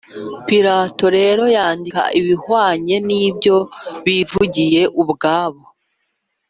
pilato rero yanditse ibihwanye n’ibyo bivugiye ubwabo